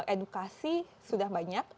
edukasi sudah banyak